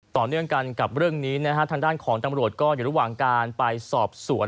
ต่อเนื่องกันกับเรื่องนี้นะฮะทางด้านของตำรวจก็อยู่ระหว่างการไปสอบสวน